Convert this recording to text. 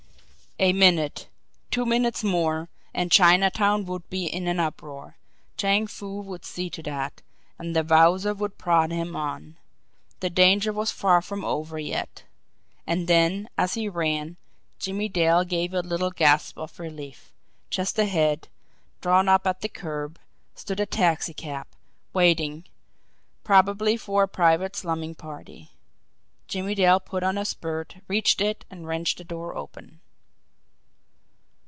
A minute, two minutes more, and Chinatown would be in an uproar Chang Foo would see to that and the Wowzer would prod him on. The danger was far from over yet. And then, as he ran, Jimmie Dale gave a little gasp of relief. Just ahead, drawn up at the curb, stood a taxicab waiting, probably, for a private slumming party. Jimmie Dale put on a spurt, reached it, and wrenched the door open.